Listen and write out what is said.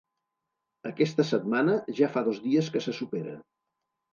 Aquesta setmana ja fa dos dies que se supera.